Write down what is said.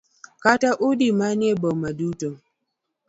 Kata udi man e boma duto.